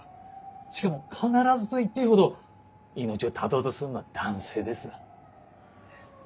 しかも必ずと言っていいほど命を絶とうとするのは男性です。